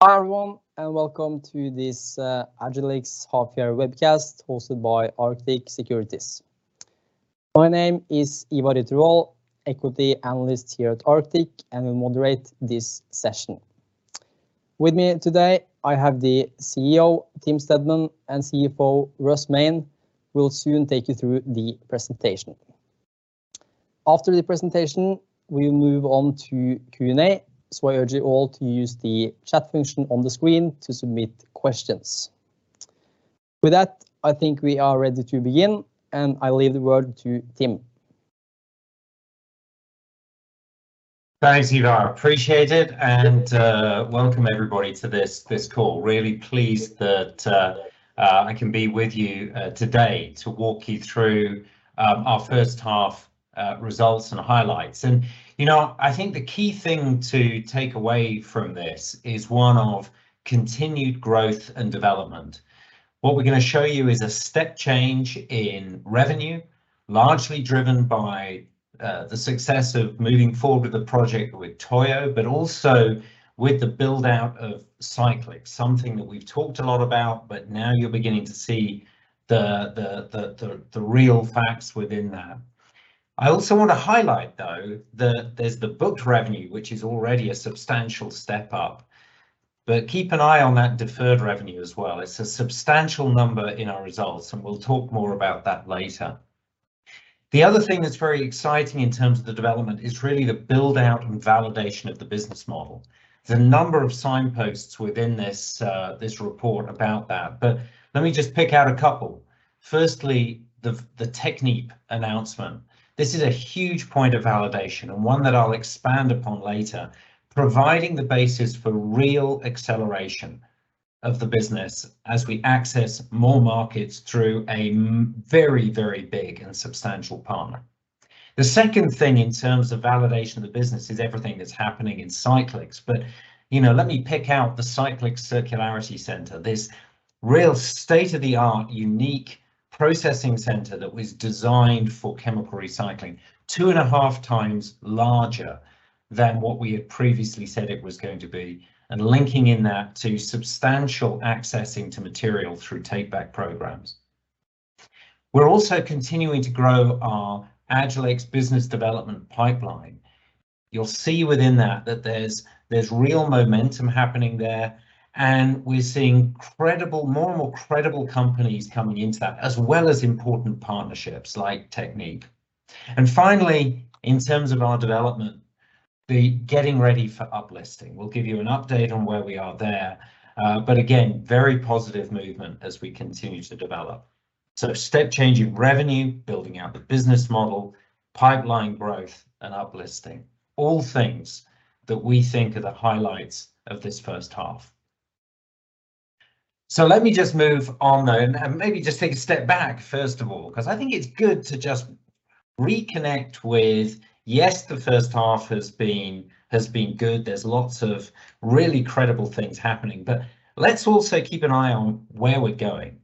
Hi, everyone, and welcome to this Agilyx half year webcast hosted by Arctic Securities. My name is Ivar Dittervoll, Equity Analyst here at Arctic, and will moderate this session. With me today I have the CEO, Tim Stedman, and CFO, Russell Main, will soon take you through the presentation. After the presentation, we'll move on to Q&A, so I urge you all to use the chat function on the screen to submit questions. With that, I think we are ready to begin, and I leave the word to Tim. Thanks, Ivar. Appreciate it. Yep. Welcome everybody to this call. Really pleased that I can be with you today to walk you through our first half results and highlights. You know, I think the key thing to take away from this is one of continued growth and development. What we're gonna show you is a step change in revenue, largely driven by the success of moving forward with the project with Toyo, but also with the build-out of Cyclyx, something that we've talked a lot about, but now you're beginning to see the real facts within that. I also wanna highlight, though, that there's the booked revenue, which is already a substantial step up, but keep an eye on that deferred revenue as well. It's a substantial number in our results, and we'll talk more about that later. The other thing that's very exciting in terms of the development is really the build-out and validation of the business model. There's a number of signposts within this report about that, but let me just pick out a couple. Firstly, the Technip Energies announcement. This is a huge point of validation, and one that I'll expand upon later, providing the basis for real acceleration of the business as we access more markets through very, very big and substantial partner. The second thing in terms of validation of the business is everything that's happening in Cyclyx, but, you know, let me pick out the Cyclyx Circularity Center, this really state-of-the-art, unique processing center that was designed for chemical recycling. Two and a half times larger than what we had previously said it was going to be, and linking in that to substantial accessing to material through take-back programs. We're also continuing to grow our Agilyx business development pipeline. You'll see within that that there's real momentum happening there, and we're seeing credible, more and more credible companies coming into that, as well as important partnerships, like Technip Energies. Finally, in terms of our development, the getting ready for uplisting. We'll give you an update on where we are there, but again, very positive movement as we continue to develop. Step change in revenue, building out the business model, pipeline growth, and uplisting. All things that we think are the highlights of this first half. Let me just move on, though, and maybe just take a step back, first of all, 'cause I think it's good to just reconnect with, yes, the first half has been good. There's lots of really credible things happening. Let's also keep an eye on where we're going.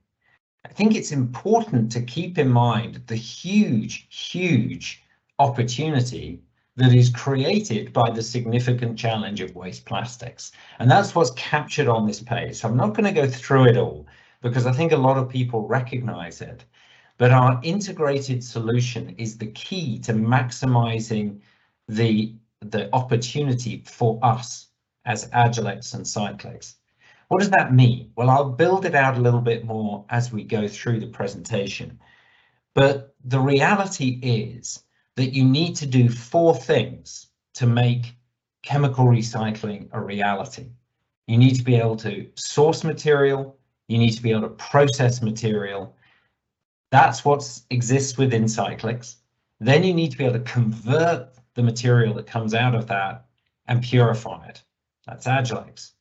I think it's important to keep in mind the huge opportunity that is created by the significant challenge of waste plastics, and that's what's captured on this page. I'm not gonna go through it all, because I think a lot of people recognize it, but our integrated solution is the key to maximizing the opportunity for us as Agilyx and Cyclyx. What does that mean? Well, I'll build it out a little bit more as we go through the presentation, but the reality is that you need to do four things to make chemical recycling a reality. You need to be able to source material. You need to be able to process material. That's what exists within Cyclyx. Then you need to be able to convert the material that comes out of that and purify it. That's Agilyx.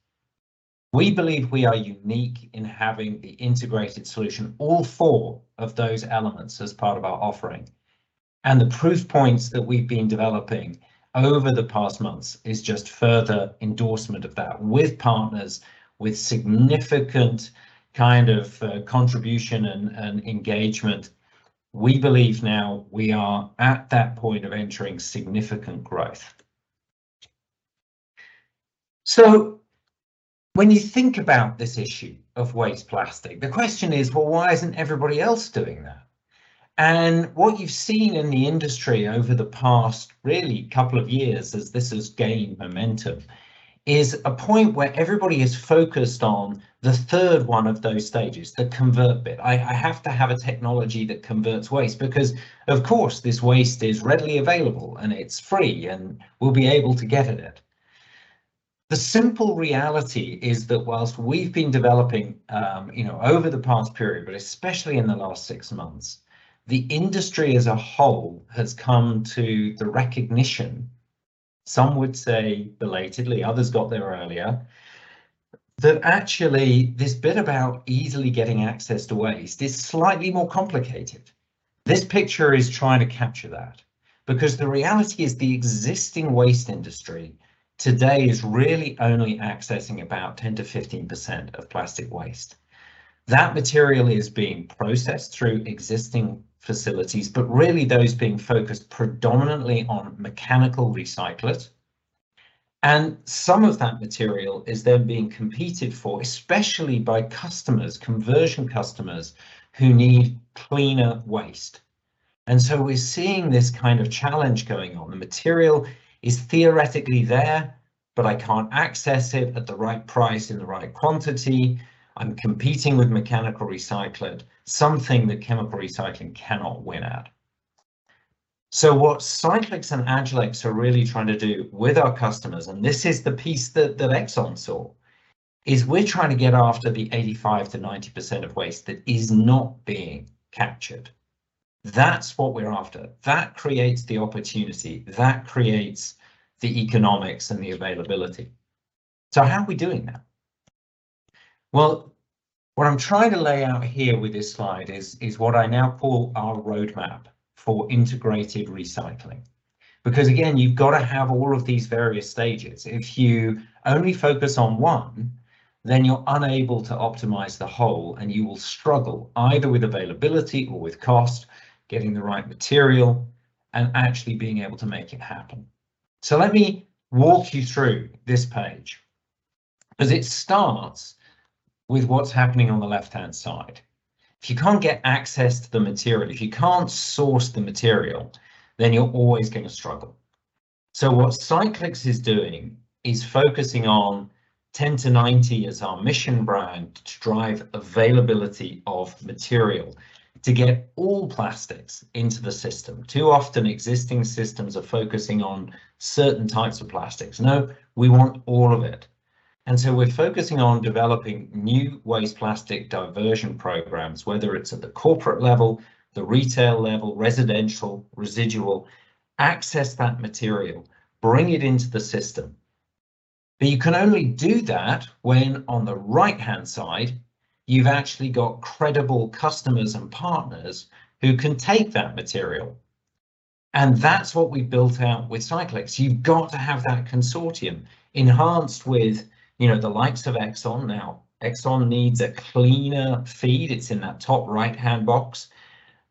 We believe we are unique in having the integrated solution, all four of those elements as part of our offering, and the proof points that we've been developing over the past months is just further endorsement of that. With partners, with significant kind of contribution and engagement, we believe now we are at that point of entering significant growth. When you think about this issue of waste plastic, the question is, well, why isn't everybody else doing that? What you've seen in the industry over the past really couple of years as this has gained momentum is a point where everybody is focused on the third one of those stages, the convert bit. I have to have a technology that converts waste, because of course this waste is readily available, and it's free, and we'll be able to get at it. The simple reality is that while we've been developing, you know, over the past period, but especially in the last six months, the industry as a whole has come to the recognition, some would say belatedly, others got there earlier, that actually this bit about easily getting access to waste is slightly more complicated. This picture is trying to capture that, because the reality is the existing waste industry today is really only accessing about 10%-15% of plastic waste. That material is being processed through existing facilities, but really those being focused predominantly on mechanical recyclers. Some of that material is then being competed for, especially by customers, conversion customers, who need cleaner waste. We're seeing this kind of challenge going on. The material is theoretically there, but I can't access it at the right price in the right quantity. I'm competing with mechanical recycling, something that chemical recycling cannot win at. What Cyclyx and Agilyx are really trying to do with our customers, and this is the piece that ExxonMobil saw, is we're trying to get after the 85%-90% of waste that is not being captured. That's what we're after. That creates the opportunity. That creates the economics and the availability. How are we doing that? Well, what I'm trying to lay out here with this slide is what I now call our roadmap for integrated recycling. Because, again, you've gotta have all of these various stages. If you only focus on one, then you're unable to optimize the whole, and you will struggle either with availability or with cost, getting the right material, and actually being able to make it happen. Let me walk you through this page, 'cause it starts with what's happening on the left-hand side. If you can't get access to the material, if you can't source the material, then you're always gonna struggle. What Cyclyx is doing is focusing on 10 to 90 as our mission brand to drive availability of material, to get all plastics into the system. Too often, existing systems are focusing on certain types of plastics. No, we want all of it. We're focusing on developing new waste plastic diversion programs, whether it's at the corporate level, the retail level, residential, residual. Access that material, bring it into the system. You can only do that when, on the right-hand side, you've actually got credible customers and partners who can take that material, and that's what we've built out with Cyclyx. You've got to have that consortium enhanced with, you know, the likes of Exxon now. Exxon needs a cleaner feed. It's in that top right-hand box.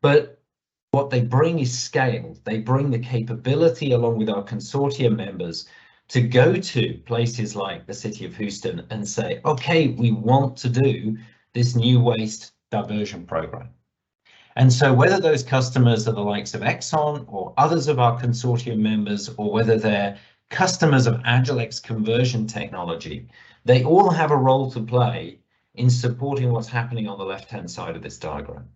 What they bring is scale. They bring the capability, along with our consortium members, to go to places like the city of Houston and say, "Okay, we want to do this new waste diversion program." Whether those customers are the likes of ExxonMobil or others of our consortium members, or whether they're customers of Agilyx conversion technology, they all have a role to play in supporting what's happening on the left-hand side of this diagram.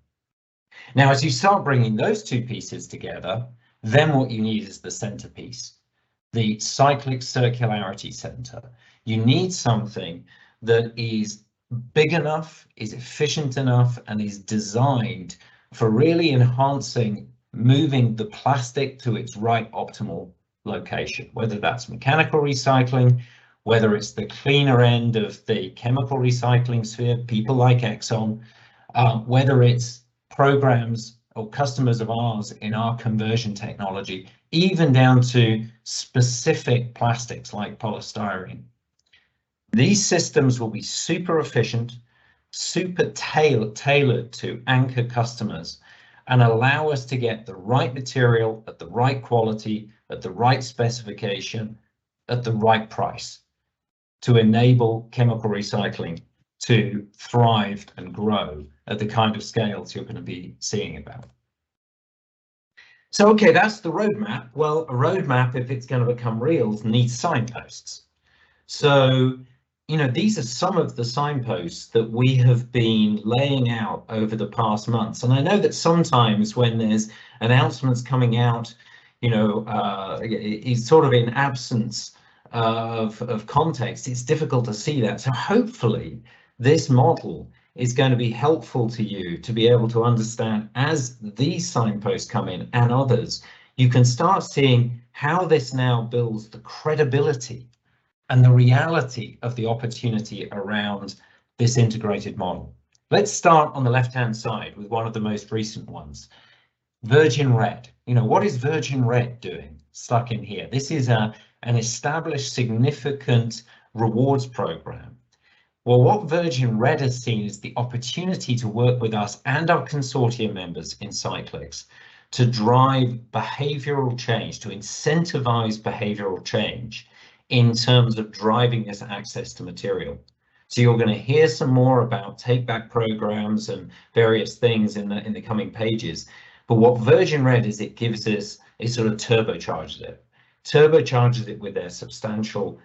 Now, as you start bringing those two pieces together, then what you need is the centerpiece, the Cyclyx Circularity Center. You need something that is big enough, is efficient enough, and is designed for really enhancing moving the plastic to its right, optimal location, whether that's mechanical recycling, whether it's the cleaner end of the chemical recycling sphere, people like Exxon, whether it's programs or customers of ours in our conversion technology, even down to specific plastics like polystyrene. These systems will be super efficient, super tailored to anchor customers, and allow us to get the right material at the right quality at the right specification at the right price to enable chemical recycling to thrive and grow at the kind of scales you're gonna be seeing about. Okay, that's the roadmap. Well, a roadmap, if it's gonna become real, it needs signposts. You know, these are some of the signposts that we have been laying out over the past months, and I know that sometimes when there's announcements coming out, you know, it's sort of in absence of context, it's difficult to see that. Hopefully, this model is gonna be helpful to you to be able to understand as these signposts come in, and others, you can start seeing how this now builds the credibility and the reality of the opportunity around this integrated model. Let's start on the left-hand side with one of the most recent ones. Virgin Red. You know, what is Virgin Red doing stuck in here? This is an established, significant rewards program. Well, what Virgin Red has seen is the opportunity to work with us and our consortium members in Cyclyx to drive behavioral change, to incentivize behavioral change in terms of driving this access to material. You're gonna hear some more about take-back programs and various things in the, in the coming pages. What Virgin Red is, it gives us. It sort of turbocharges it. Turbocharges it with their substantial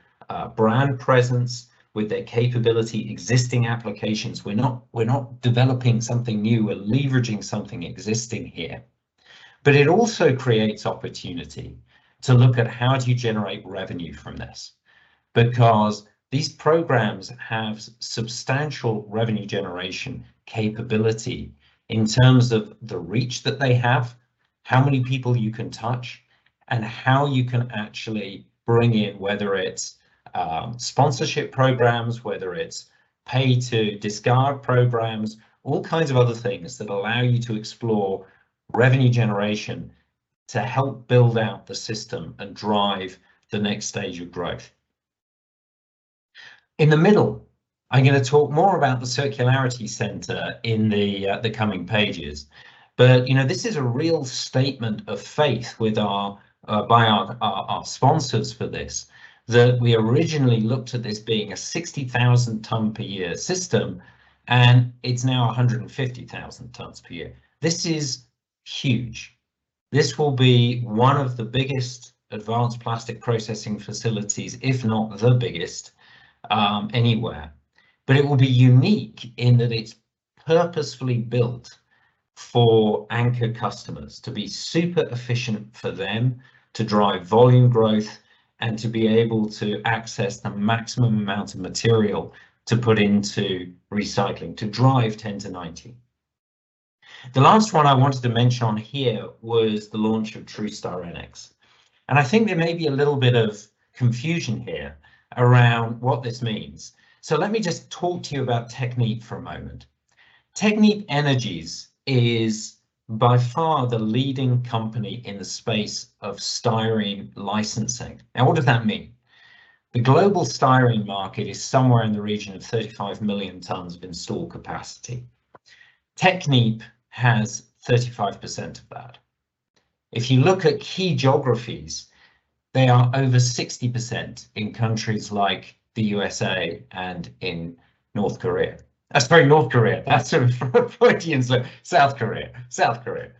brand presence, with their capability, existing applications. We're not developing something new. We're leveraging something existing here. It also creates opportunity to look at how do you generate revenue from this. Because these programs have substantial revenue generation capability in terms of the reach that they have, how many people you can touch, and how you can actually bring in, whether it's sponsorship programs, whether it's pay-to-discard programs, all kinds of other things that allow you to explore revenue generation to help build out the system and drive the next stage of growth. In the middle, I'm gonna talk more about the Circularity Center in the coming pages, but you know, this is a real statement of faith with our sponsors for this, that we originally looked at this being a 60,000-ton-per-year system, and it's now 150,000 tons per year. This is huge. This will be one of the biggest advanced plastic processing facilities, if not the biggest, anywhere. It will be unique in that it's purposefully built for anchor customers to be super efficient for them to drive volume growth and to be able to access the maximum amount of material to put into recycling to drive 10 to 90. The last one I wanted to mention on here was the launch of TruStyrenyx, and I think there may be a little bit of confusion here around what this means. Let me just talk to you about Technip for a moment. Technip Energies is by far the leading company in the space of styrene licensing. Now, what does that mean? The global styrene market is somewhere in the region of 35 million tons of installed capacity. Technip has 35% of that. If you look at key geographies, they are over 60% in countries like the USA and in South Korea. I say North Korea, that's sort of Freudian slip, South Korea. South Korea.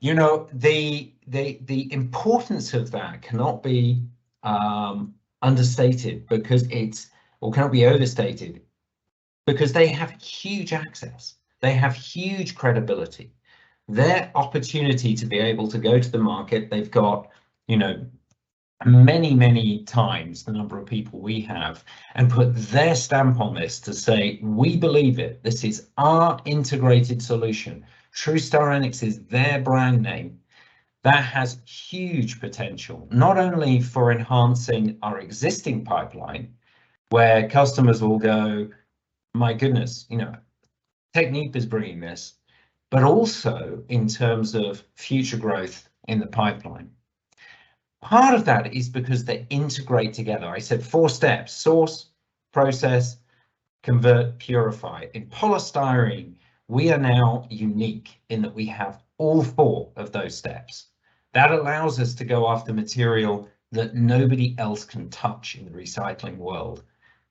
You know, the importance of that cannot be overstated because they have huge access, they have huge credibility. Their opportunity to be able to go to the market, they've got many times the number of people we have, and put their stamp on this to say, "We believe it. This is our integrated solution." TruStyrenyx is their brand name. That has huge potential, not only for enhancing our existing pipeline, where customers will go, "My goodness, Technip Energies is bringing this," but also in terms of future growth in the pipeline. Part of that is because they integrate together. I said four steps, source, process, convert, purify. In polystyrene, we are now unique in that we have all four of those steps. That allows us to go after material that nobody else can touch in the recycling world.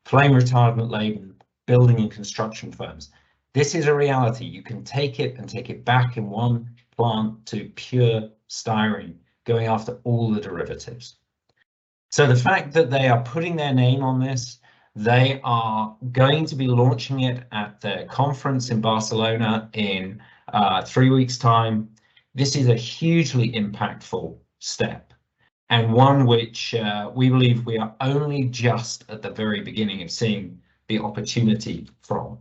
Flame retardant laden, building and construction firms. This is a reality. You can take it and take it back in one plant to pure styrene going after all the derivatives. The fact that they are putting their name on this, they are going to be launching it at their conference in Barcelona in three weeks time. This is a hugely impactful step, and one which, we believe we are only just at the very beginning of seeing the opportunity from.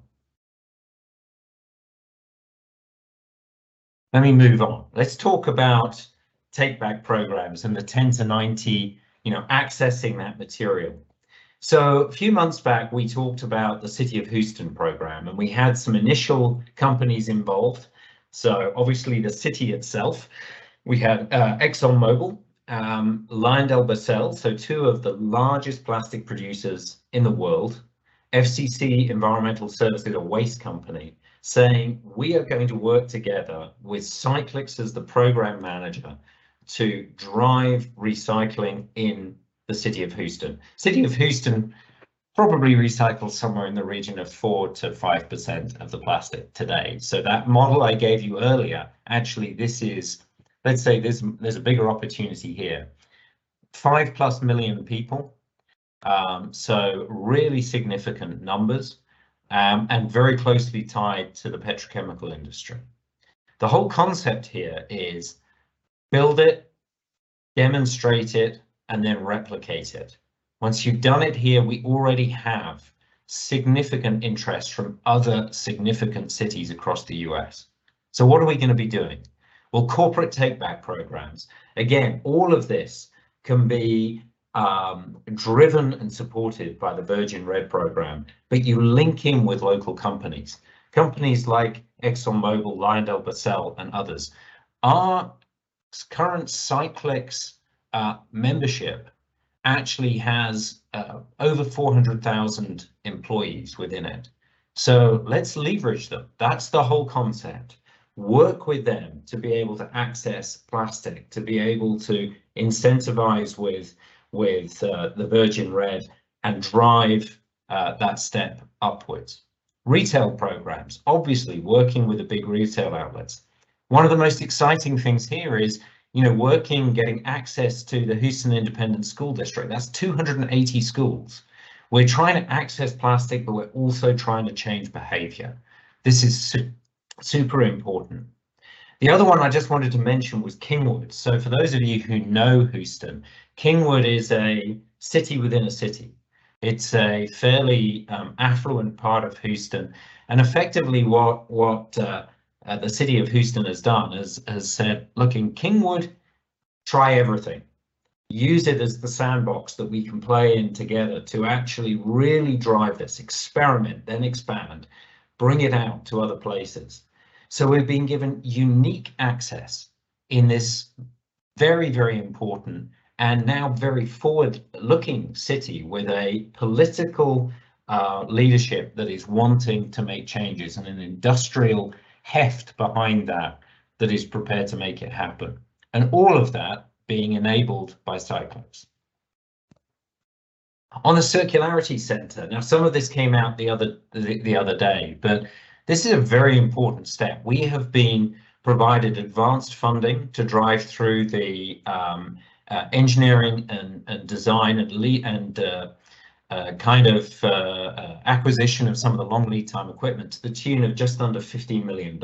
Let me move on. Let's talk about take back programs and the 10 to 90, you know, accessing that material. A few months back, we talked about the City of Houston program, and we had some initial companies involved, so obviously the city itself. We had ExxonMobil, LyondellBasell, so two of the largest plastic producers in the world, FCC Environmental Services, a waste company, saying, "We are going to work together with Cyclyx as the program manager to drive recycling in the City of Houston." City of Houston probably recycles somewhere in the region of 4%-5% of the plastic today. That model I gave you earlier, actually let's say there's a bigger opportunity here. 5+ million people, so really significant numbers, and very closely tied to the petrochemical industry. The whole concept here is to build it, demonstrate it, and then replicate it. Once you've done it here, we already have significant interest from other significant cities across the U.S. What are we gonna be doing? Well, corporate take back programs. Again, all of this can be driven and supported by the Virgin Red program, but you link in with local companies like ExxonMobil, LyondellBasell, and others. Our current Cyclyx membership actually has over 400,000 employees within it. Let's leverage them. That's the whole concept. Work with them to be able to access plastic, to be able to incentivize with the Virgin Red and drive that step upwards. Retail programs, obviously working with the big retail outlets. One of the most exciting things here is, you know, working, getting access to the Houston Independent School District. That's 280 schools. We're trying to access plastic, but we're also trying to change behavior. This is super important. The other one I just wanted to mention was Kingwood. For those of you who know Houston, Kingwood is a city within a city. It's a fairly affluent part of Houston, and effectively what the City of Houston has done is has said, "Look in Kingwood, try everything. Use it as the sandbox that we can play in together to actually really drive this experiment, then expand, bring it out to other places." We've been given unique access in this very, very important and now very forward-looking city with a political leadership that is wanting to make changes and an industrial heft behind that is prepared to make it happen, and all of that being enabled by Cyclyx. On the Circularity Center, now some of this came out the other day, but this is a very important step. We have been provided advanced funding to drive through the engineering and design and kind of acquisition of some of the long lead time equipment to the tune of just under $50 million.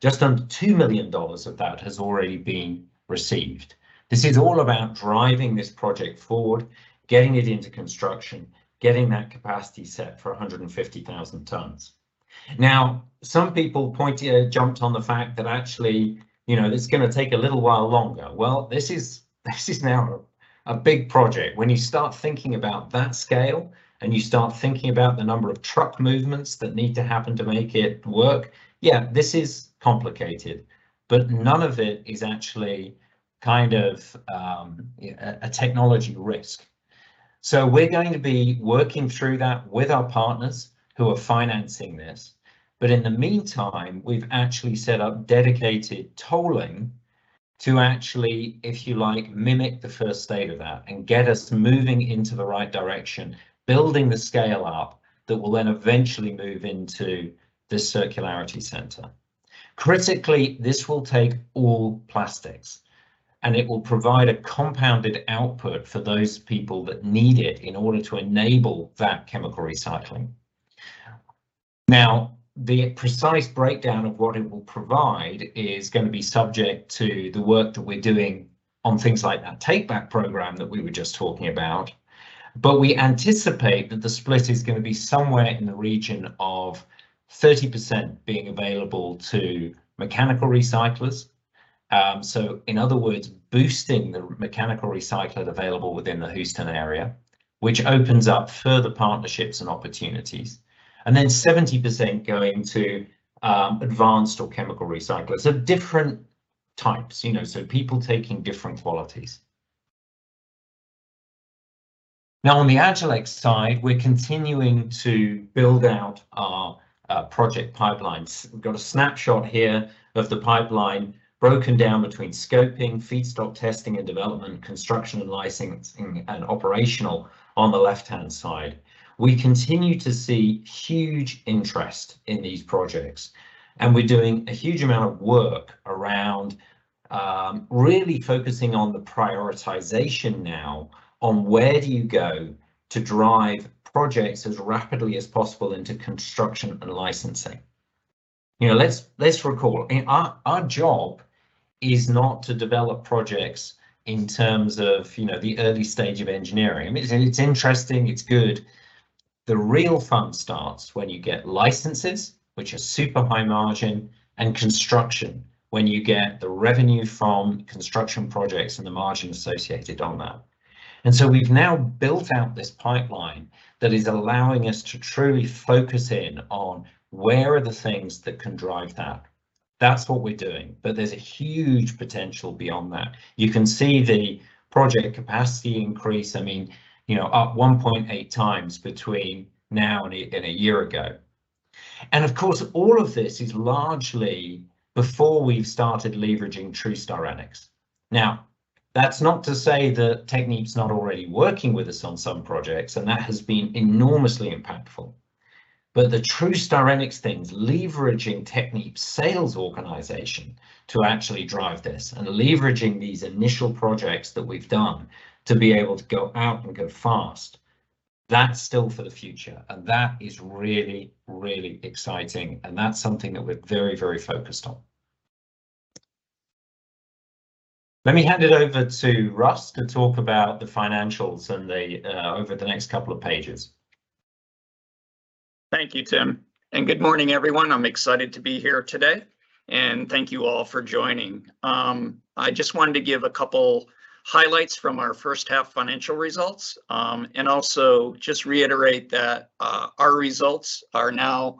Just under $2 million of that has already been received. This is all about driving this project forward, getting it into construction, getting that capacity set for 150,000 tons. Now, some people jumped on the fact that actually, you know, it's gonna take a little while longer. Well, this is now a big project. When you start thinking about that scale and you start thinking about the number of truck movements that need to happen to make it work, yeah, this is complicated, but none of it is actually kind of a technology risk. We're going to be working through that with our partners who are financing this. In the meantime, we've actually set up dedicated tolling to actually, if you like, mimic the first stage of that and get us moving into the right direction, building the scale up that will then eventually move into the Circularity Center. Critically, this will take all plastics, and it will provide a compounded output for those people that need it in order to enable that chemical recycling. Now, the precise breakdown of what it will provide is gonna be subject to the work that we're doing on things like that take back program that we were just talking about. We anticipate that the split is gonna be somewhere in the region of 30% being available to mechanical recyclers, so in other words, boosting the mechanical recycler available within the Houston area, which opens up further partnerships and opportunities, and then 70% going to advanced or chemical recyclers. Different types, you know, so people taking different qualities. Now on the Agilyx side, we're continuing to build out our project pipelines. We've got a snapshot here of the pipeline broken down between scoping, feedstock testing, and development, construction and licensing, and operational on the left-hand side. We continue to see huge interest in these projects, and we're doing a huge amount of work around really focusing on the prioritization now on where do you go to drive projects as rapidly as possible into construction and licensing. You know, let's recall our job is not to develop projects in terms of, you know, the early stage of engineering. I mean, it's interesting, it's good. The real fun starts when you get licenses, which are super high margin, and construction, when you get the revenue from construction projects and the margin associated on that. We've now built out this pipeline that is allowing us to truly focus in on where are the things that can drive that. That's what we're doing. There's a huge potential beyond that. You can see the project capacity increase, I mean, you know, up 1.8x between now and a year ago. Of course, all of this is largely before we've started leveraging TruStyrenyx. Now, that's not to say that Technip Energies's not already working with us on some projects, and that has been enormously impactful. The TruStyrenyx thing, leveraging Technip Energies's sales organization to actually drive this and leveraging these initial projects that we've done to be able to go out and go fast, that's still for the future, and that is really, really exciting, and that's something that we're very, very focused on. Let me hand it over to Russ to talk about the financials and the over the next couple of pages. Thank you, Tim, and good morning, everyone. I'm excited to be here today. Thank you all for joining. I just wanted to give a couple highlights from our first half financial results, and also just reiterate that, our results are now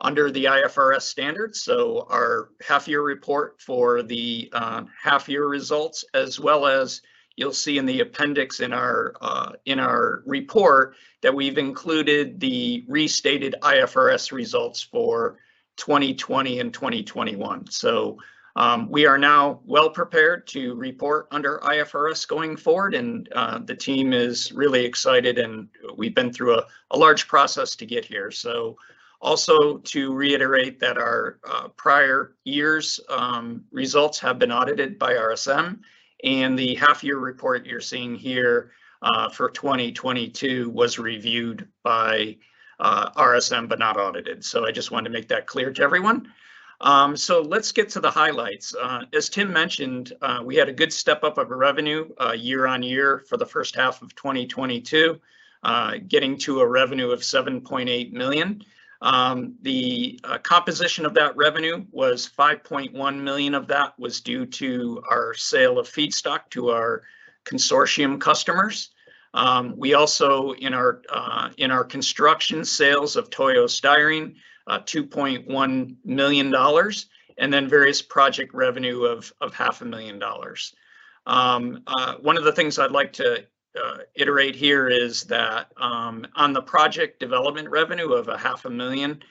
under the IFRS standards. Our half year report for the half year results, as well as you'll see in the appendix in our report that we've included the restated IFRS results for 2020 and 2021. We are now well prepared to report under IFRS going forward, and the team is really excited and we've been through a large process to get here. Also to reiterate that our prior years results have been audited by RSM and the half year report you're seeing here for 2022 was reviewed by RSM, but not audited. I just wanted to make that clear to everyone. Let's get to the highlights. As Tim mentioned, we had a good step up of revenue year-over-year for the first half of 2022, getting to a revenue of $7.8 million. The composition of that revenue was $5.1 million of that was due to our sale of feedstock to our consortium customers. We also in our construction sales of Toyo Styrene $2.1 million, and then various project revenue of half a million dollars. One of the things I'd like to iterate here is that, on the project development revenue of $ half a million,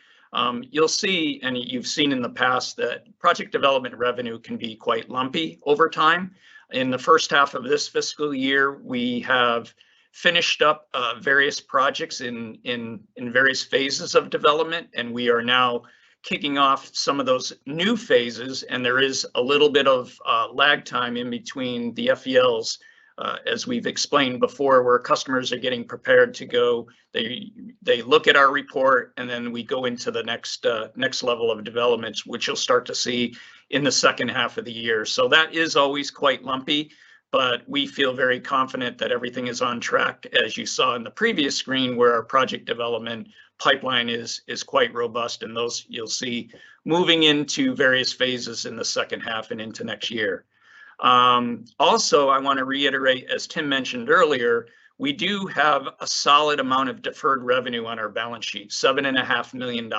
you'll see, and you've seen in the past, that project development revenue can be quite lumpy over time. In the first half of this fiscal year, we have finished up various projects in various phases of development, and we are now kicking off some of those new phases, and there is a little bit of lag time in between the FELs, as we've explained before, where customers are getting prepared to go. They look at our report, and then we go into the next level of developments, which you'll start to see in the second half of the year. That is always quite lumpy, but we feel very confident that everything is on track, as you saw in the previous screen, where our project development pipeline is quite robust. Those you'll see moving into various phases in the second half and into next year. Also, I want to reiterate, as Tim mentioned earlier, we do have a solid amount of deferred revenue on our balance sheet, $7.5 million.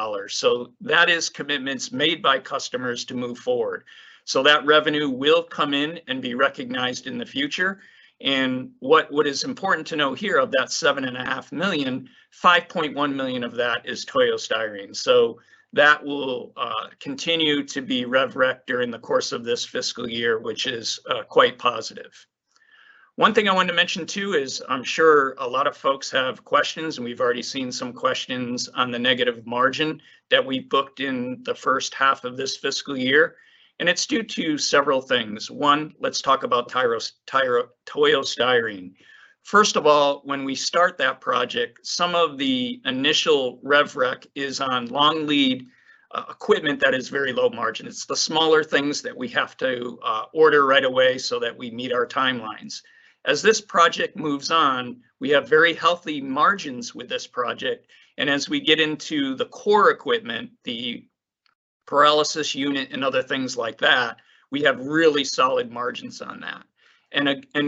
That is commitments made by customers to move forward. That revenue will come in and be recognized in the future. What is important to know here of that $7.5 million, $5.1 million of that is Toyo Styrene. That will continue to be rev rec during the course of this fiscal year, which is quite positive. One thing I wanted to mention too is I'm sure a lot of folks have questions, and we've already seen some questions on the negative margin that we booked in the first half of this fiscal year. It's due to several things. One, let's talk about Toyo Styrene. First of all, when we start that project, some of the initial rev rec is on long lead equipment that is very low margin. It's the smaller things that we have to order right away so that we meet our timelines. As this project moves on, we have very healthy margins with this project and as we get into the core equipment, the pyrolysis unit and other things like that, we have really solid margins on that.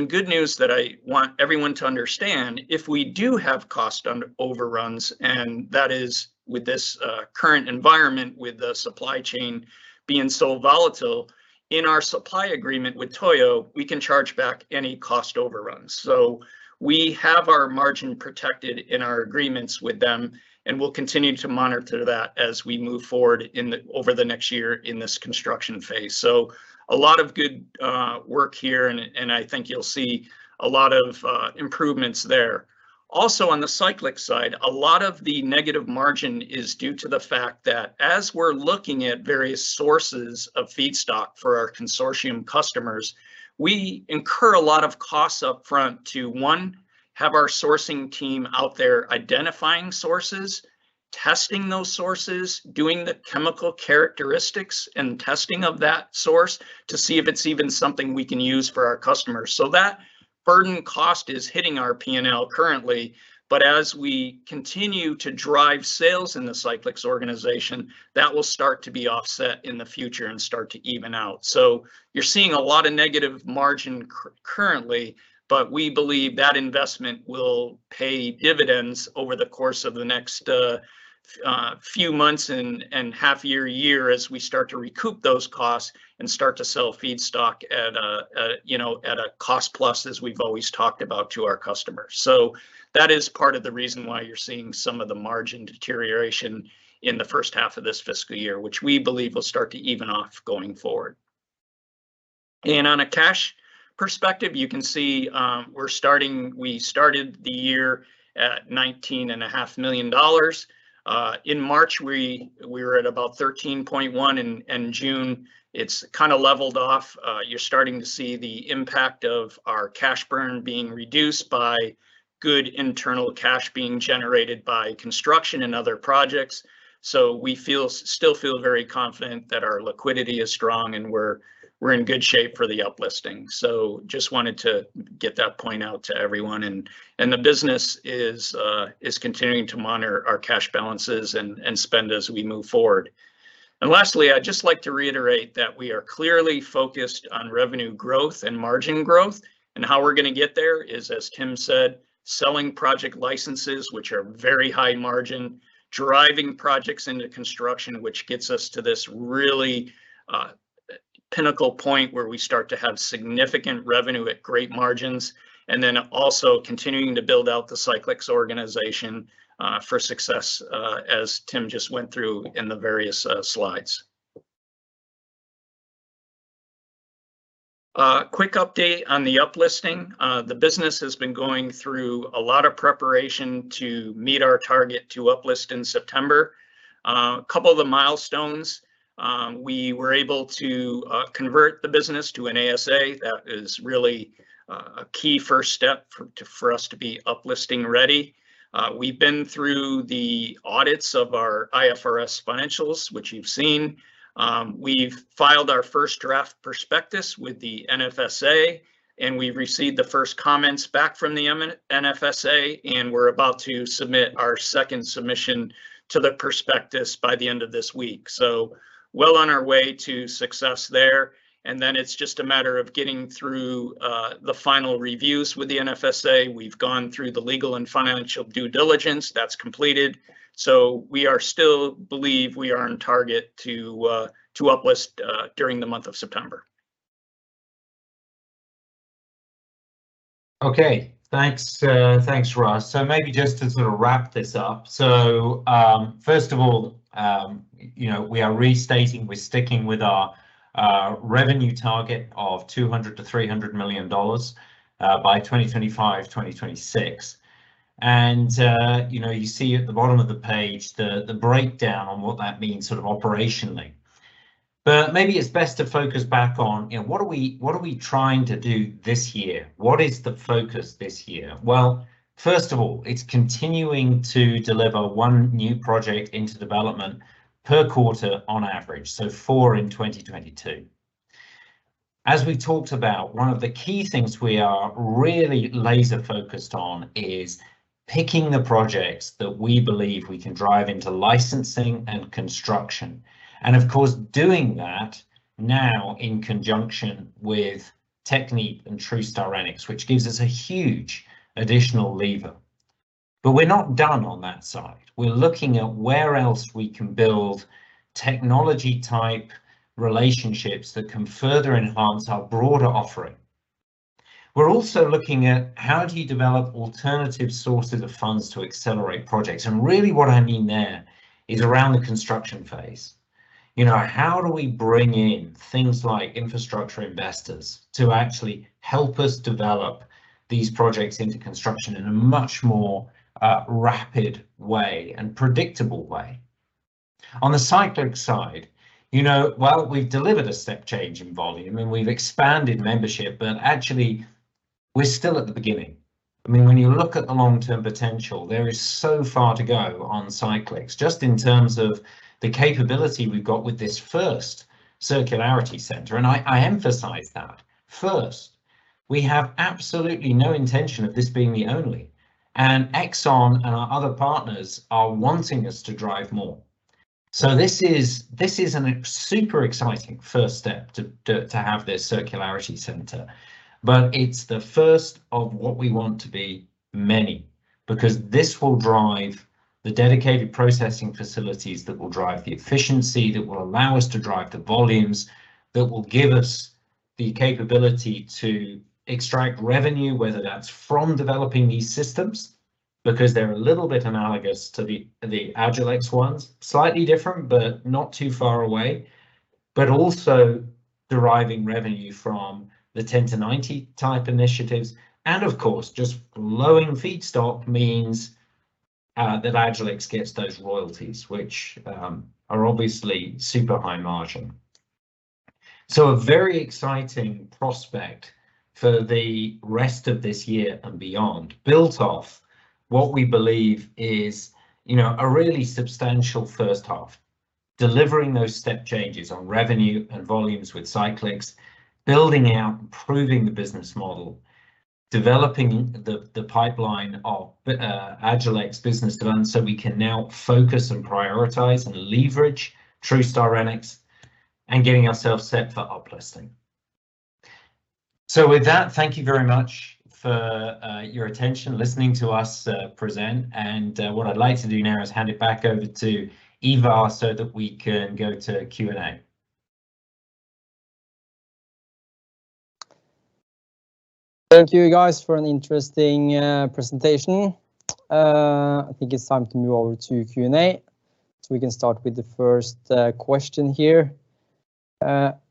Good news that I want everyone to understand, if we do have cost overruns, and that is with this current environment with the supply chain being so volatile, in our supply agreement with Toyo, we can charge back any cost overruns. We have our margin protected in our agreements with them, and we'll continue to monitor that as we move forward over the next year in this construction phase. A lot of good work here, and I think you'll see a lot of improvements there. On the Cyclyx side, a lot of the negative margin is due to the fact that as we're looking at various sources of feedstock for our consortium customers, we incur a lot of costs up front to, one, have our sourcing team out there identifying sources, testing those sources, doing the chemical characteristics and testing of that source to see if it's even something we can use for our customers. That burden cost is hitting our P&L currently, but as we continue to drive sales in the Cyclyx organization, that will start to be offset in the future and start to even out. You're seeing a lot of negative margin currently, but we believe that investment will pay dividends over the course of the next few months and half year as we start to recoup those costs and start to sell feedstock at a, you know, at a cost plus as we've always talked about to our customers. That is part of the reason why you're seeing some of the margin deterioration in the first half of this fiscal year, which we believe will start to even out going forward. On a cash perspective, you can see we started the year at $19.5 million. In March, we were at about $13.1 million. In June, it's kind of leveled off. You're starting to see the impact of our cash burn being reduced by good internal cash being generated by construction and other projects. We feel, still feel very confident that our liquidity is strong, and we're in good shape for the up listing. Just wanted to get that point out to everyone, and the business is continuing to monitor our cash balances and spend as we move forward. Lastly, I'd just like to reiterate that we are clearly focused on revenue growth and margin growth, and how we're going to get there is, as Tim said, selling project licenses, which are very high margin, driving projects into construction, which gets us to this really pinnacle point where we start to have significant revenue at great margins, and then also continuing to build out the Cyclyx organization for success, as Tim just went through in the various slides. A quick update on the up-listing. The business has been going through a lot of preparation to meet our target to up-list in September. Couple of the milestones, we were able to convert the business to an ASA. That is really a key first step for us to be up-listing ready. We've been through the audits of our IFRS financials, which you've seen. We've filed our first draft prospectus with the NFSA, and we received the first comments back from the NFSA, and we're about to submit our second submission to the prospectus by the end of this week. Well on our way to success there, and then it's just a matter of getting through the final reviews with the NFSA. We've gone through the legal and financial due diligence. That's completed. We still believe we are on target to uplist during the month of September. Okay. Thanks, Russ. Maybe just to sort of wrap this up. First of all, you know, we are restating we're sticking with our revenue target of $200-$300 million by 2025, 2026. You know, you see at the bottom of the page the breakdown on what that means sort of operationally. Maybe it's best to focus back on, you know, what are we trying to do this year? What is the focus this year? Well, first of all, it's continuing to deliver one new project into development per quarter on average, so four in 2022. As we talked about, one of the key things we are really laser focused on is picking the projects that we believe we can drive into licensing and construction, and of course doing that now in conjunction with Technip Energies and TruStyrenyx, which gives us a huge additional lever. We're not done on that side. We're looking at where else we can build technology type relationships that can further enhance our broader offering. We're also looking at, how do you develop alternative sources of funds to accelerate projects? Really what I mean there is around the construction phase. You know, how do we bring in things like infrastructure investors to actually help us develop these projects into construction in a much more rapid way and predictable way? On the Cyclyx side, you know, while we've delivered a step change in volume, and we've expanded membership, but actually we're still at the beginning. I mean, when you look at the long-term potential, there is so far to go on Cyclyx, just in terms of the capability we've got with this first Circularity Center, and I emphasize that, first. We have absolutely no intention of this being the only, and ExxonMobil and our other partners are wanting us to drive more. This is a super exciting first step to have this Circularity Center. It's the first of what we want to be many because this will drive the dedicated processing facilities that will drive the efficiency, that will allow us to drive the volumes, that will give us the capability to extract revenue, whether that's from developing these systems, because they're a little bit analogous to the Agilyx ones, slightly different but not too far away, but also deriving revenue from the 10 to 90 type initiatives, and of course just lowering feedstock means that Agilyx gets those royalties, which are obviously super high margin. A very exciting prospect for the rest of this year and beyond, built off what we believe is, you know, a really substantial first half, delivering those step changes on revenue and volumes with Cyclyx, building out and proving the business model, developing the pipeline of Agilyx business to run so we can now focus and prioritize and leverage TruStyrenyx, and getting ourselves set for up-listing. With that, thank you very much for your attention, listening to us present. What I'd like to do now is hand it back over to Ivar so that we can go to Q&A. Thank you, guys, for an interesting presentation. I think it's time to move over to Q&A. We can start with the first question here.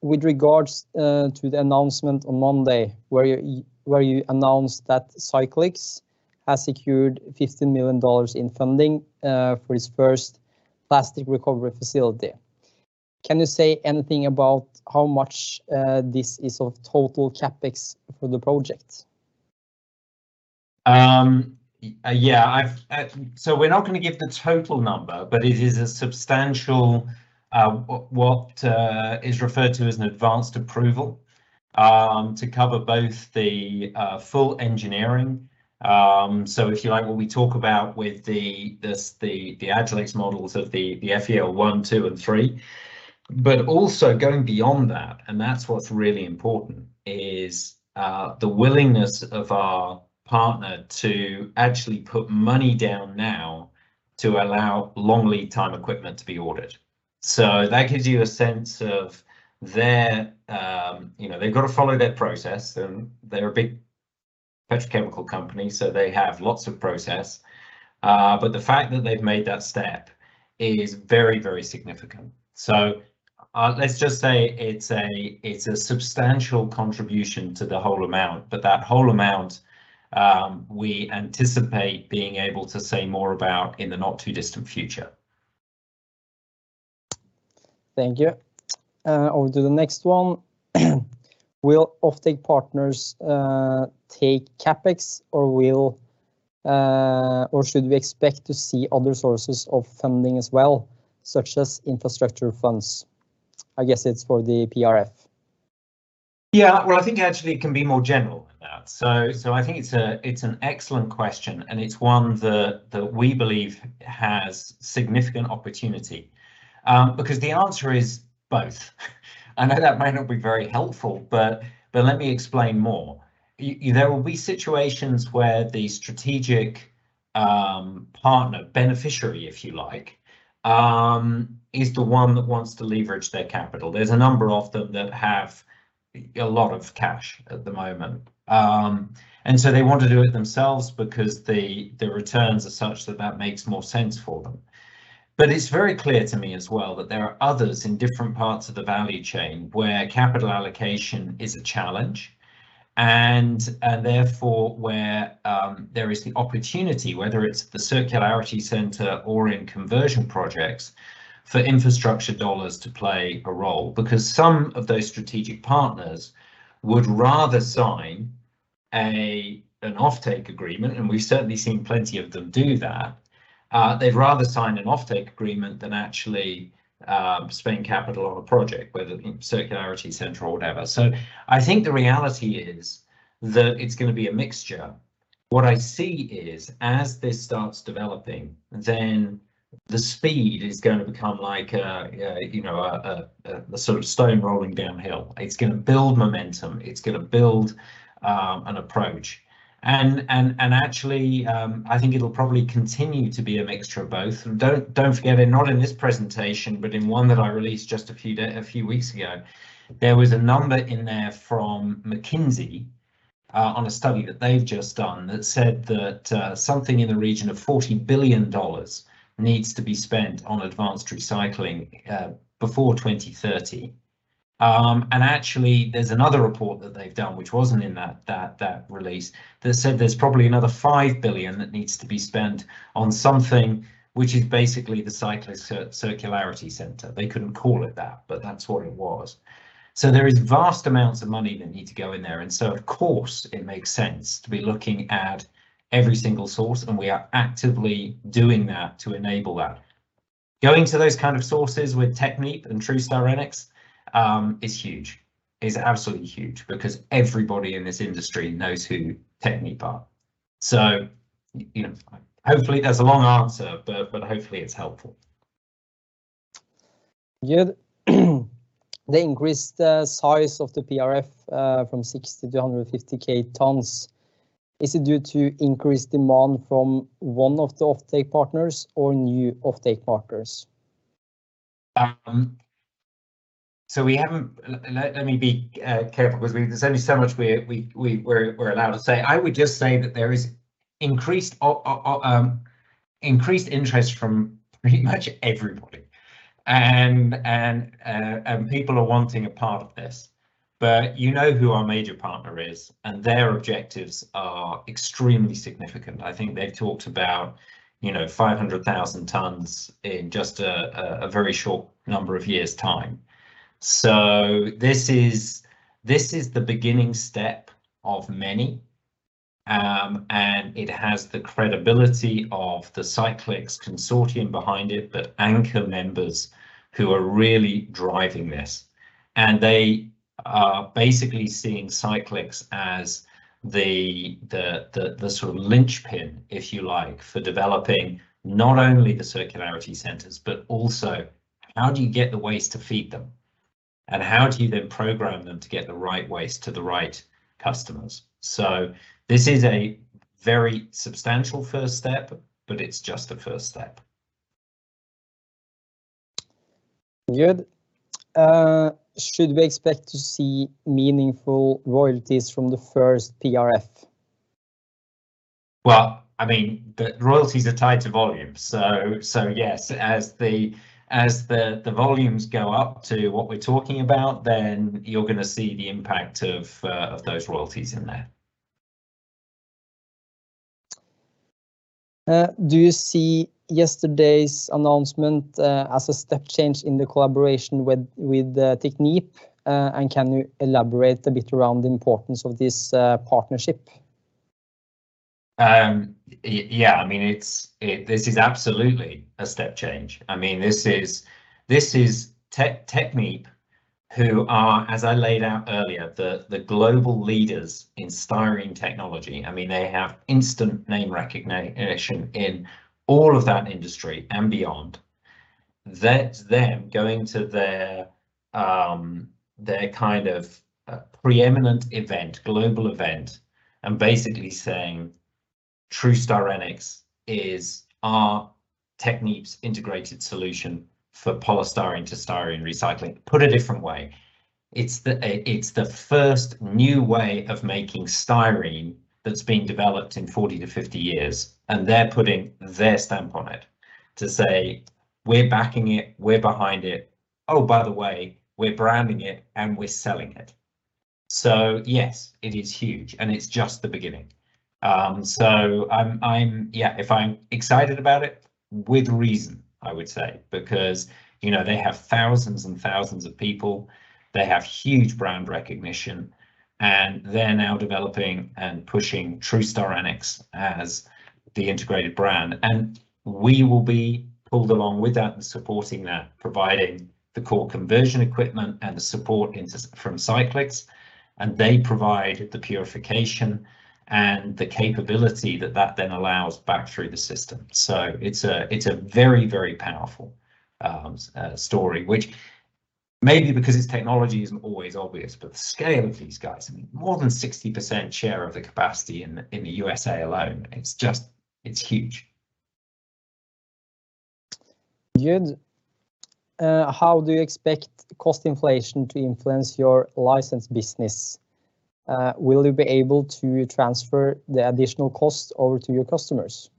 With regards to the announcement on Monday, where you announced that Cyclyx has secured $15 million in funding for its first plastic recovery facility, can you say anything about how much this is of total CapEx for the project? We're not gonna give the total number, but it is a substantial what is referred to as an advanced approval to cover both the full engineering, so if you like what we talk about with the Agilyx models of the FEL one, two, and three, but also going beyond that, and that's what's really important, the willingness of our partner to actually put money down now to allow long lead time equipment to be ordered. That gives you a sense of their, you know, they've got to follow their process, and they're a big petrochemical company, so they have lots of process. But the fact that they've made that step is very, very significant. Let's just say it's a substantial contribution to the whole amount. that whole amount, we anticipate being able to say more about in the not too distant future. Thank you. Over to the next one. Will offtake partners take CapEx, or should we expect to see other sources of funding as well, such as infrastructure funds? I guess it's for the PRF. Yeah. Well, I think actually it can be more general than that. I think it's an excellent question, and it's one that we believe has significant opportunity. Because the answer is both. I know that may not be very helpful, but let me explain more. You know, there will be situations where the strategic partner, beneficiary if you like, is the one that wants to leverage their capital. There's a number of them that have a lot of cash at the moment and so they want to do it themselves because the returns are such that that makes more sense for them. It's very clear to me as well that there are others in different parts of the value chain where capital allocation is a challenge, and therefore where there is the opportunity, whether it's the Circularity Center or in conversion projects, for infrastructure dollars to play a role. Because some of those strategic partners would rather sign an offtake agreement, and we've certainly seen plenty of them do that, they'd rather sign an offtake agreement than actually spend capital on a project, whether Circularity Center or whatever. I think the reality is that it's gonna be a mixture. What I see is, as this starts developing, then the speed is gonna become like a you know sort of stone rolling downhill. It's gonna build momentum. It's gonna build an approach. Actually, I think it'll probably continue to be a mixture of both. Don't forget, not in this presentation, but in one that I released just a few weeks ago, there was a number in there from McKinsey, on a study that they've just done that said that, something in the region of $40 billion needs to be spent on advanced recycling, before 2030. Actually, there's another report that they've done, which wasn't in that release, that said there's probably another $5 billion that needs to be spent on something which is basically the Cyclyx Circularity Center. They couldn't call it that, but that's what it was. There is vast amounts of money that need to go in there and so of course it makes sense to be looking at every single source, and we are actively doing that to enable that. Going to those kind of sources with Technip and TruStyrenyx is huge, is absolutely huge, because everybody in this industry knows who Technip are. You know, hopefully, that's a long answer, but hopefully it's helpful. Yeah. They increased the size of the PRF from 60,000 to 150,000 tons. Is it due to increased demand from one of the offtake partners or new offtake partners? Let me be careful because there's only so much we're allowed to say. I would just say that there is increased interest from pretty much everybody. People are wanting a part of this. You know who our major partner is, and their objectives are extremely significant. I think they've talked about, you know, 500,000 tons in just a very short number of years' time. This is the beginning step of many. It has the credibility of the Cyclyx consortium behind it, but anchor members who are really driving this, and they are basically seeing Cyclyx as the sort of linchpin, if you like, for developing not only the Circularity Centers, but also how do you get the waste to feed them, and how do you then program them to get the right waste to the right customers? This is a very substantial first step, but it's just a first step. Good. Should we expect to see meaningful royalties from the first PRF? Well, I mean, the royalties are tied to volume, so yes, as the volumes go up to what we're talking about, then you're gonna see the impact of those royalties in there. Do you see yesterday's announcement as a step change in the collaboration with Technip Energies? Can you elaborate a bit around the importance of this partnership? Yeah, I mean, it is absolutely a step change. I mean, this is Technip Energies, who are, as I laid out earlier, the global leaders in styrene technology. I mean, they have instant name recognition in all of that industry and beyond. That is them going to their kind of preeminent event, global event, and basically saying TruStyrenyx is our Technip Energies' integrated solution for polystyrene to styrene recycling. Put a different way, it is the first new way of making styrene that has been developed in 40-50 years, and they are putting their stamp on it to say, "We are backing it. We are behind it. Oh, by the way, we are branding it, and we are selling it." Yes, it is huge, and it is just the beginning. Yeah, if I am excited about it? With reason, I would say, because, you know, they have thousands and thousands of people, they have huge brand recognition, and they're now developing and pushing TruStyrenyx as the integrated brand. We will be pulled along with that and supporting that, providing the core conversion equipment and the support from Cyclyx, and they provide the purification and the capability that that then allows back through the system. It's a very, very powerful story, which maybe because this technology isn't always obvious, but the scale of these guys, I mean, more than 60% share of the capacity in the USA alone, it's just huge. Jude, how do you expect cost inflation to influence your license business? Will you be able to transfer the additional costs over to your customers?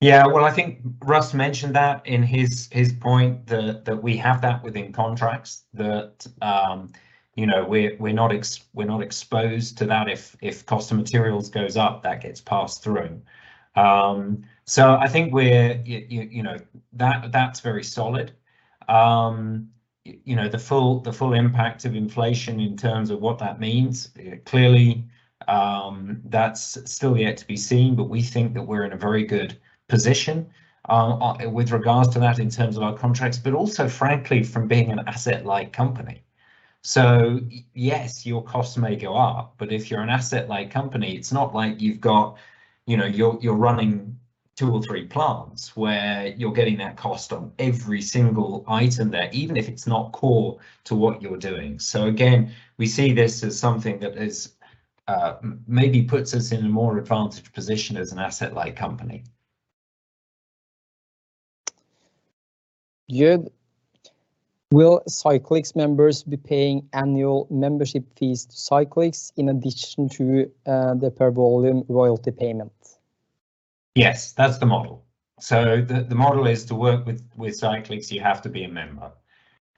Yeah. Well, I think Russ mentioned that in his point that we have that within contracts, you know, we're not exposed to that. If cost of materials goes up, that gets passed through. I think you know that's very solid. You know, the full impact of inflation in terms of what that means, clearly, that's still yet to be seen. We think that we're in a very good position with regards to that in terms of our contracts, but also frankly from being an asset light company. Yes, your costs may go up, but if you're an asset light company, it's not like you've got, you know, you're running two or three plants where you're getting that cost on every single item there, even if it's not core to what you're doing. Again, we see this as something that maybe puts us in a more advantaged position as an asset light company. Jude, will Cyclyx members be paying annual membership fees to Cyclyx in addition to the per volume royalty payment? Yes, that's the model. The model is to work with Cyclyx, you have to be a member.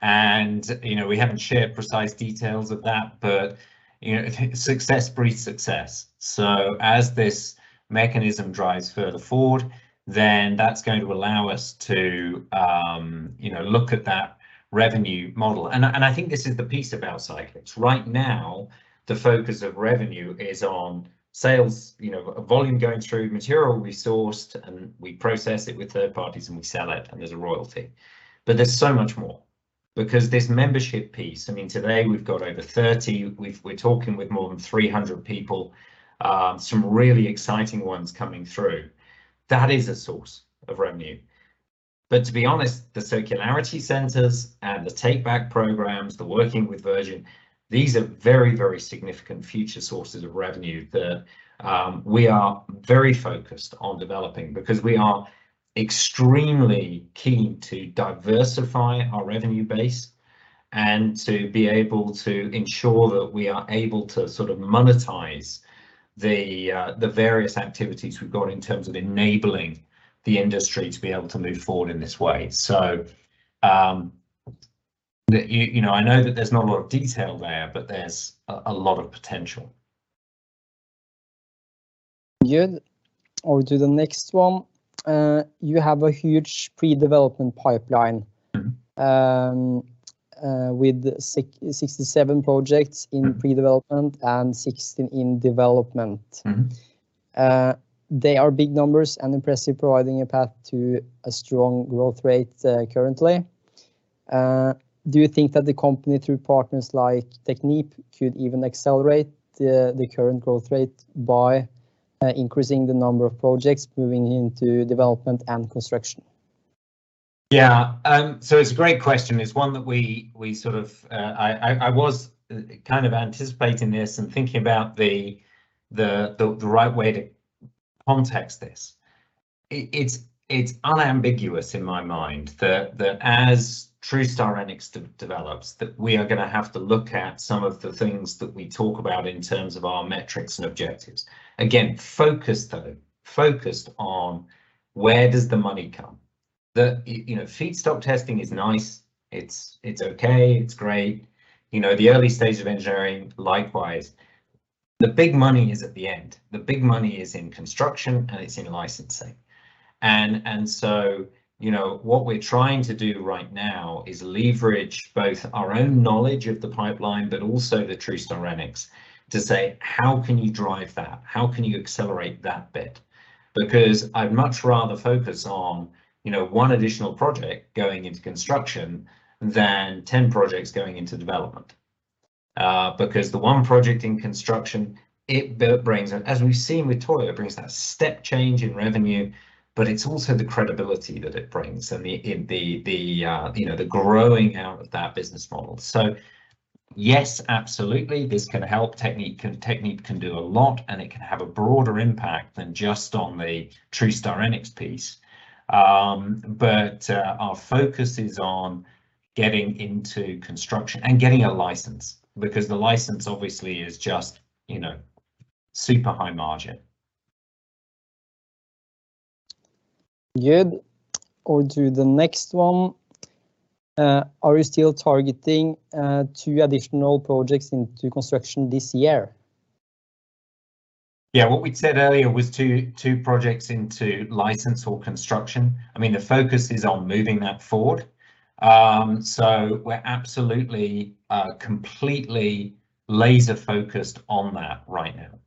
You know, we haven't shared precise details of that, but you know, success breeds success. As this mechanism drives further forward, then that's going to allow us to you know, look at that revenue model. I think this is the piece about Cyclyx. Right now, the focus of revenue is on sales, you know, volume going through, material sourced, and we process it with third parties and we sell it and there's a royalty. But there's so much more, because this membership piece, I mean, today we've got over 30, we're talking with more than 300 people, some really exciting ones coming through. That is a source of revenue. To be honest, the Circularity Centers and the take back programs, the working with Virgin, these are very, very significant future sources of revenue that we are very focused on developing because we are extremely keen to diversify our revenue base and to be able to ensure that we are able to sort of monetize the various activities we've got in terms of enabling the industry to be able to move forward in this way. So, the, you know, I know that there's not a lot of detail there, but there's a lot of potential. Jude, over to the next one. You have a huge pre-development pipeline. Mm-hmm With 67 projects in predevelopment. Mm 16 in development. Mm-hmm. They are big numbers and impressive, providing a path to a strong growth rate currently. Do you think that the company, through partners like Technip, could even accelerate the current growth rate by increasing the number of projects moving into development and construction? Yeah. So it's a great question. It's one that we sort of I was kind of anticipating this and thinking about the right way to contextualize this. It's unambiguous in my mind that as TruStyrenyx develops, that we are gonna have to look at some of the things that we talk about in terms of our metrics and objectives. Again, focused on where does the money come? You know, feedstock testing is nice, it's okay, it's great, you know. The early stage of engineering, likewise. The big money is at the end. The big money is in construction and it's in licensing. You know, what we're trying to do right now is leverage both our own knowledge of the pipeline, but also the TruStyrenyx to say, how can you drive that? How can you accelerate that bit? Because I'd much rather focus on, you know, one additional project going into construction than 10 projects going into development. Because the one project in construction, it brings, as we've seen with Toyo, brings that step change in revenue, but it's also the credibility that it brings and the growing out of that business model. Yes, absolutely. This can help Technip can do a lot, and it can have a broader impact than just on the TruStyrenyx piece. Our focus is on getting into construction and getting a license, because the license obviously is just, you know, super high margin. Good. On to the next one. Are you still targeting two additional projects into construction this year? Yeah, what we'd said earlier was 2 projects into license or construction. I mean, the focus is on moving that forward. We're absolutely completely laser focused on that right now.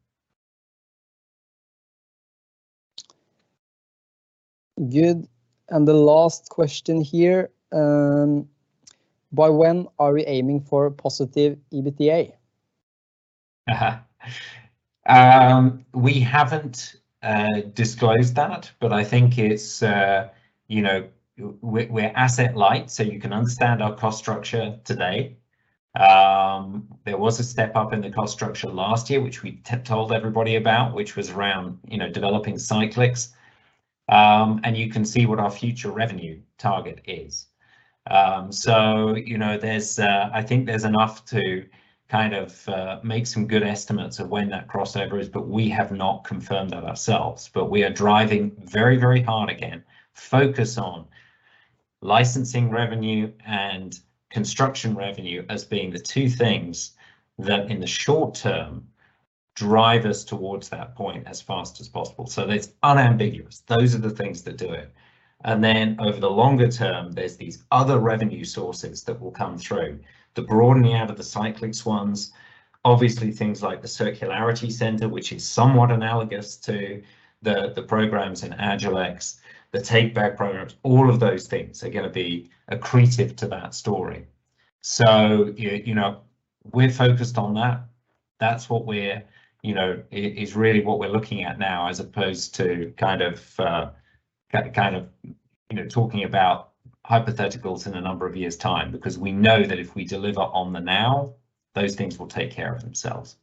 Good. The last question here, by when are we aiming for a positive EBITDA? We haven't disclosed that, but I think it's, you know, we're asset light, so you can understand our cost structure today. There was a step-up in the cost structure last year, which we told everybody about, which was around, you know, developing Cyclyx. You can see what our future revenue target is. You know, there's, I think there's enough to kind of make some good estimates of when that crossover is, but we have not confirmed that ourselves. We are driving very, very hard again, focus on licensing revenue and construction revenue as being the two things that, in the short term, drive us towards that point as fast as possible. That's unambiguous. Those are the things that do it. Then over the longer term, there's these other revenue sources that will come through. The broadening out of the Cyclyx ones, obviously things like the Circularity Center, which is somewhat analogous to the programs in Agilyx, the Take Back programs. All of those things are gonna be accretive to that story. You know, we're focused on that. That's what it is, you know, really what we're looking at now as opposed to kind of, you know, talking about hypotheticals in a number of years' time because we know that if we deliver on the now, those things will take care of themselves.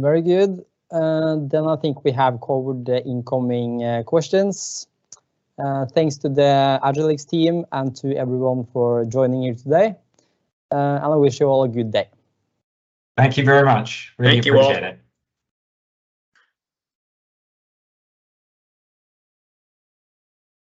Very good. I think we have covered the incoming questions. Thanks to the Agilyx team and to everyone for joining here today, and I wish you all a good day. Thank you very much. Really appreciate it. Thank you all.